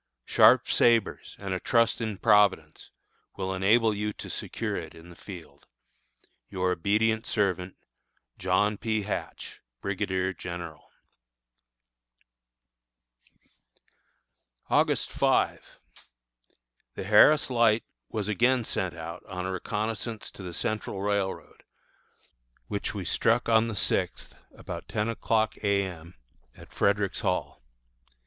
Sharp sabres and a trust in Providence will enable you to secure it in the field. Your obedient servant, JOHN P. HATCH, Brigadier General. August 5. The Harris Light was again sent out on a reconnoissance to the Central Railroad, which we struck on the sixth, about ten o'clock A. M., at Frederick's Hall.